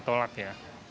tetap kita tolak ya